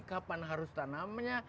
kapan harus tanamnya